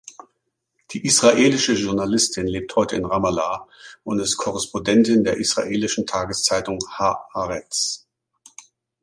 Die israelische Journalistin lebt heute in Ramallah und ist Korrespondentin der israelischen Tageszeitung Ha’aretz.